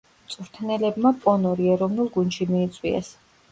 მწვრთნელებმა პონორი ეროვნულ გუნდში მიიწვიეს.